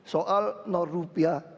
soal nor rupiah